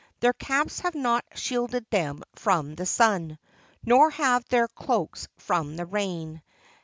Their caps have not shielded them from the sun, nor have their cloaks from the rain.